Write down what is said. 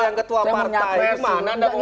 itu mana anda mau nyamakan